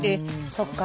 あそっか。